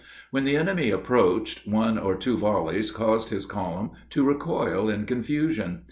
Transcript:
When the enemy approached, one or two volleys caused his column to recoil in confusion.